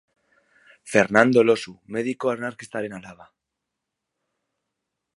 Fernando Elosu mediku anarkistaren alaba.